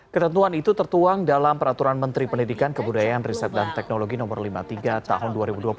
ketentuan itu tertuang dalam peraturan menteri pendidikan kebudayaan riset dan teknologi no lima puluh tiga tahun dua ribu dua puluh satu